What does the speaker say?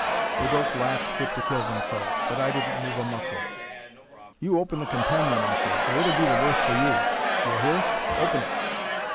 "They both laughed fit to kill themselves, but I didn't move a muscle. "'You open the companion,' I ses, 'or it'll be the worse for you. D'ye hear? Open it!'